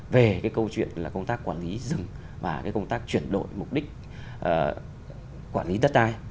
về cái câu chuyện là công tác quản lý rừng và cái công tác chuyển đổi mục đích quản lý đất đai